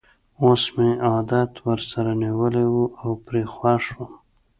اوس مې عادت ورسره نیولی وو او پرې خوښ وم.